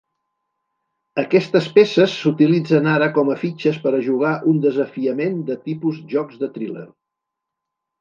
Aquestes peces s'utilitzen ara com a fitxes per a jugar un desafiament de tipus jocs de triler.